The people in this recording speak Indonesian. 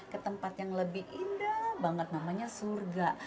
ke tempat yang lebih indah banget namanya surga